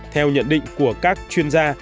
theo nhận định của các chuyên gia